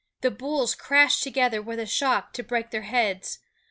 The bulls crashed together with a shock to break their heads.